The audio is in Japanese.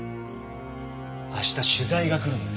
明日取材が来るんです。